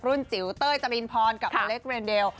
จิ๋วเต้ยจรินพรกับอเล็กเรนเดล